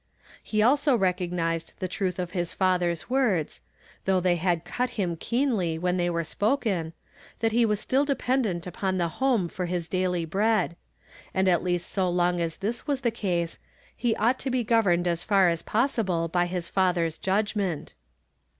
He also recognized the truth of Ins father's words, though they had cut him keenly when they were spoken, that he was still dependent upon the home for his daily bread ; and at least so long as this was the case, he ought to be governed as far as possible by his father's judg ment.